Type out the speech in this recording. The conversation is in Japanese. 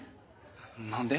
何で？